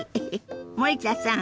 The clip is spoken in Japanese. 森田さん